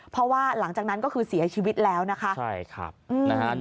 เพราะว่าหลังจากนั้นก็คือเสียชีวิตแล้วนะคะใช่ครับนะฮะ